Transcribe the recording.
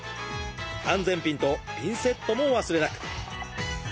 安全ピンとピンセットもお忘れなく。